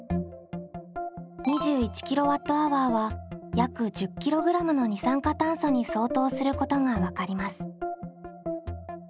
２１ｋＷｈは約１０ｋｇの二酸化炭素に相当することが分かります。